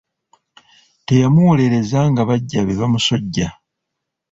Teyamuwolereza nga baggya be bamusojja.